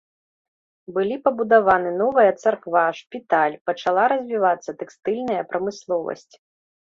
Былі пабудаваны новая царква, шпіталь, пачала развівацца тэкстыльная прамысловасць.